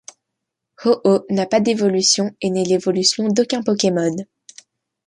Ho-Oh n'a pas d'évolution et n'est l'évolution d'aucun Pokémon.